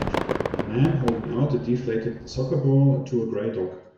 A man holding out a deflated soccer ball to a gray dog.